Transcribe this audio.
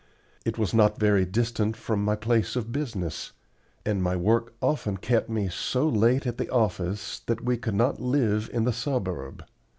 It was not very distant from my place of business, and my work often kept me so late at the office that we could not live in the suburb.